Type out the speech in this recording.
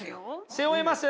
背負えます？